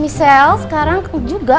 michelle sekarang aku juga